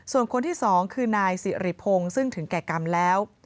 ส่วนคนที่๒คือนายสิริพงศ์ซึ่งถึงแก่กรรมแล้ว